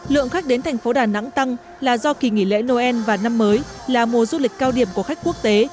lượng khách đến thành phố đà nẵng tăng là do kỳ nghỉ lễ noel và năm mới là mùa du lịch cao điểm của khách quốc tế